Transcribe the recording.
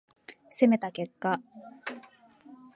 攻めた結果